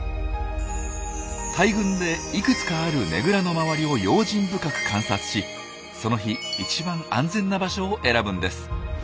大群でいくつかあるねぐらの周りを用心深く観察しその日一番安全な場所を選ぶんです。